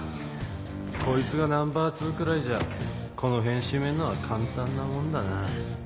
こいつがナンバーツーくらいじゃこの辺シメんのは簡単なもんだな